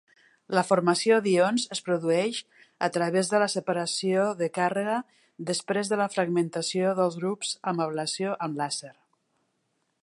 La formació d'ions es produeix a través de la separació de càrrega després de la fragmentació dels grups amb ablació amb làser.